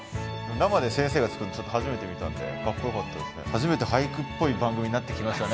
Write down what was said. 生で先生が作るのちょっと初めて見たんでかっこよかったですね。